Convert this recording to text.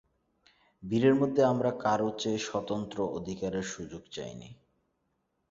ভিড়ের মধ্যে আমরা কারও চেয়ে স্বতন্ত্র অধিকারের সুযোগ চাই নে।